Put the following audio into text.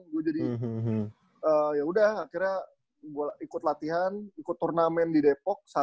gue jadi yaudah akhirnya gue ikut latihan ikut turnamen di depok